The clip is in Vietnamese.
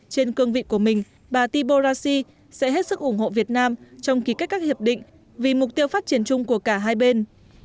trên cương vị của mình bà tiboraci sẽ hết sức ủng hộ việt nam trong ký kết các hiệp định vì mục tiêu phát triển chung của cả hai bên